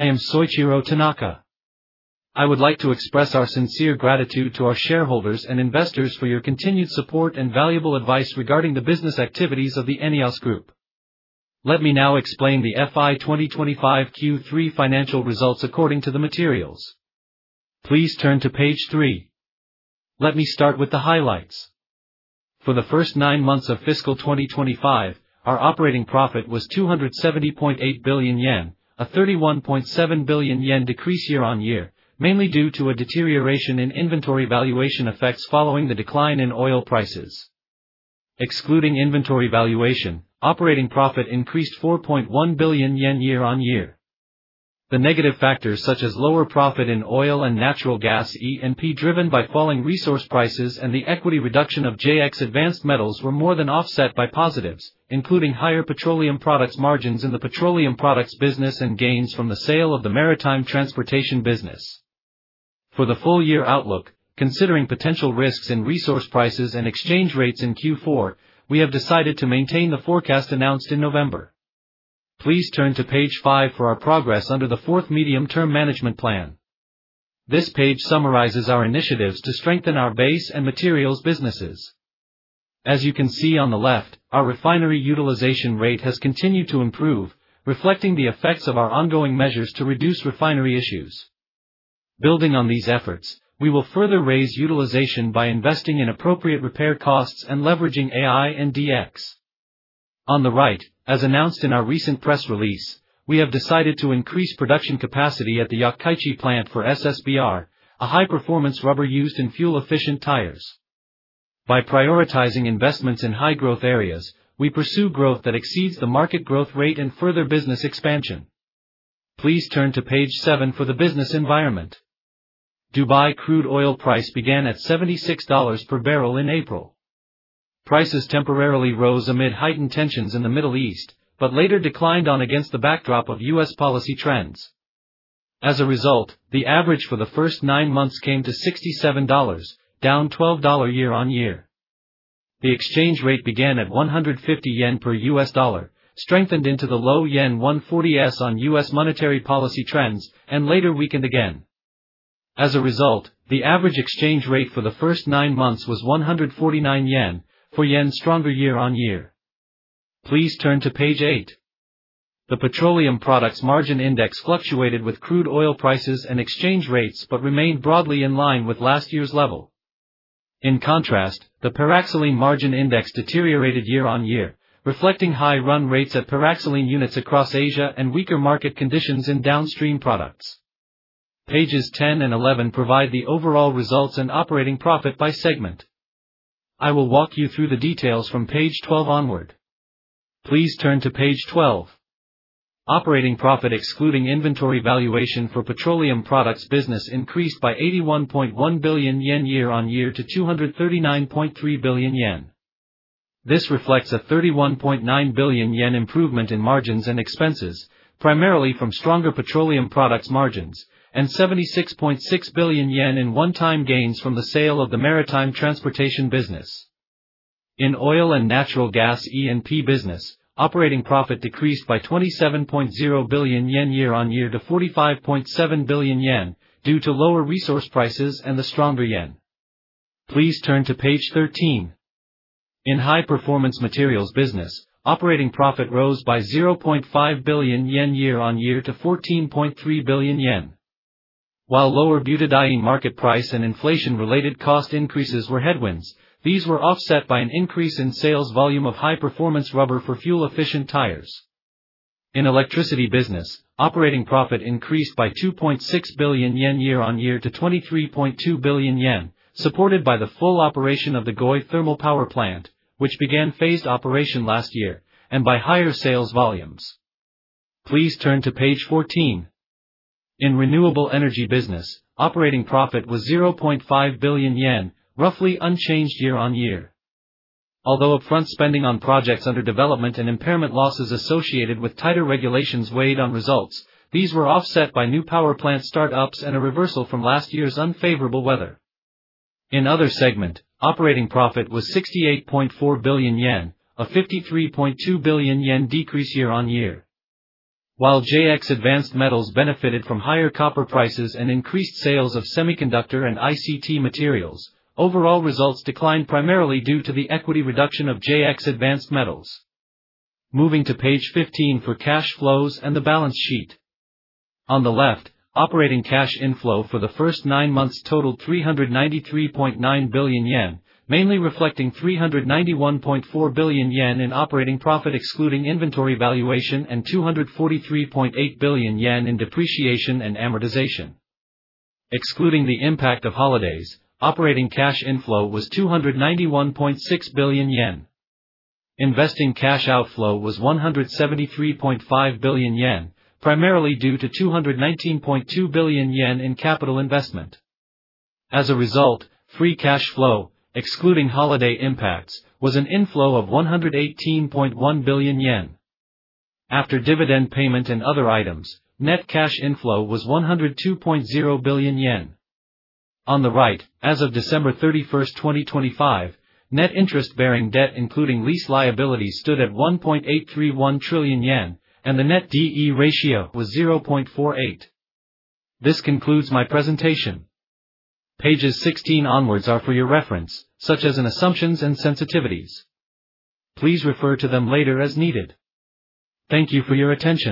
I am Soichiro Tanaka. I would like to express our sincere gratitude to our shareholders and investors for your continued support and valuable advice regarding the business activities of the ENEOS Group. Let me now explain the FY 2025 Q3 financial results according to the materials. Please turn to page three. Let me start with the highlights. For the first nine months of fiscal 2025, our operating profit was 270.8 billion yen, a 31.7 billion yen decrease year-on-year, mainly due to a deterioration in inventory valuation effects following the decline in oil prices. Excluding inventory valuation, operating profit increased 4.1 billion yen year-on-year. The negative factors such as lower profit in oil and natural gas E&P driven by falling resource prices and the equity reduction of JX Advanced Metals were more than offset by positives, including higher petroleum products margins in the petroleum products business and gains from the sale of the maritime transportation business. For the full year outlook, considering potential risks in resource prices and exchange rates in Q4, we have decided to maintain the forecast announced in November. Please turn to page five for our progress under the fourth Medium Term Management Plan. This page summarizes our initiatives to strengthen our base and materials businesses. As you can see on the left, our refinery utilization rate has continued to improve, reflecting the effects of our ongoing measures to reduce refinery issues. Building on these efforts, we will further raise utilization by investing in appropriate repair costs and leveraging AI and DX. On the right, as announced in our recent press release, we have decided to increase production capacity at the Yokkaichi plant for S-SBR, a high-performance rubber used in fuel-efficient tires. By prioritizing investments in high-growth areas, we pursue growth that exceeds the market growth rate and further business expansion. Please turn to page seven for the business environment. Dubai crude oil price began at $76 per barrel in April. Prices temporarily rose amid heightened tensions in the Middle East, but later declined against the backdrop of U.S. policy trends. As a result, the average for the first nine months came to $67, down $12 year-on-year. The exchange rate began at 150 yen per US dollar, strengthened into the low JPY 140s on U.S. monetary policy trends, and later weakened again. As a result, the average exchange rate for the first nine months was 149 yen, four yen stronger year-on-year. Please turn to page eight. The petroleum products margin index fluctuated with crude oil prices and exchange rates but remained broadly in line with last year's level. In contrast, the paraxylene margin index deteriorated year-on-year, reflecting high run rates at paraxylene units across Asia and weaker market conditions in downstream products. Pages 10 and 11 provide the overall results and operating profit by segment. I will walk you through the details from page 12 onward. Please turn to page 12. Operating profit excluding inventory valuation for petroleum products business increased by 81.1 billion yen year-on-year to 239.3 billion yen. This reflects a 31.9 billion yen improvement in margins and expenses, primarily from stronger petroleum products margins, and 76.6 billion yen in one-time gains from the sale of the maritime transportation business. In oil and natural gas E&P business, operating profit decreased by 27.0 billion yen year-on-year to 45.7 billion yen due to lower resource prices and the stronger yen. Please turn to page 13. In high-performance materials business, operating profit rose by 0.5 billion yen year-on-year to 14.3 billion yen. While lower butadiene market price and inflation-related cost increases were headwinds, these were offset by an increase in sales volume of high-performance rubber for fuel-efficient tires. In electricity business, operating profit increased by 2.6 billion yen year-on-year to 23.2 billion yen, supported by the full operation of the Goi thermal power plant, which began phased operation last year, and by higher sales volumes. Please turn to page 14. In renewable energy business, operating profit was 0.5 billion yen, roughly unchanged year-on-year. Although upfront spending on projects under development and impairment losses associated with tighter regulations weighed on results, these were offset by new power plant start-ups and a reversal from last year's unfavorable weather. In other segment, operating profit was 68.4 billion yen, a 53.2 billion yen decrease year-on-year. While JX Advanced Metals benefited from higher copper prices and increased sales of semiconductor and ICT materials, overall results declined primarily due to the equity reduction of JX Advanced Metals. Moving to page 15 for cash flows and the balance sheet. On the left, operating cash inflow for the first nine months totaled 393.9 billion yen, mainly reflecting 391.4 billion yen in operating profit excluding inventory valuation and 243.8 billion yen in depreciation and amortization. Excluding the impact of holidays, operating cash inflow was 291.6 billion yen. Investing cash outflow was 173.5 billion yen, primarily due to 219.2 billion yen in capital investment. As a result, free cash flow, excluding holiday impacts, was an inflow of 118.1 billion yen. After dividend payment and other items, net cash inflow was 102.0 billion yen. On the right, as of December 31st, 2025, net interest-bearing debt including lease liabilities stood at 1.831 trillion yen, and the net D/E ratio was 0.48. This concludes my presentation. Pages 16 onwards are for your reference, such as in assumptions and sensitivities. Please refer to them later as needed. Thank you for your attention.